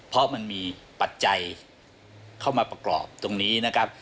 เพราะมันมีปัจจัยเข้ามาประกอบตรงนี้นะครับ